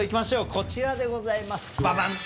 こちらでございます、ババン！